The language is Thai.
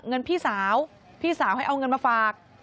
เงินพี่สาวพี่สาวให้เอาเงินมาฝาก